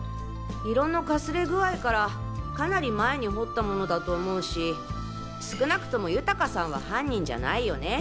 色のかすれ具合からかなり前に彫ったものだと思うし少なくとも豊さんは犯人じゃないよね。